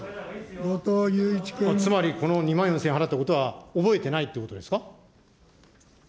つまり、この２万４０００円払ったことは覚えてないということですか。